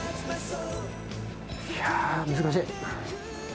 いやー、難しい。